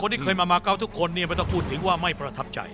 งั้นคนที่เคยมามาเก้าทุกคนมันต้องพูดถึงว่าไม่ประทับใจ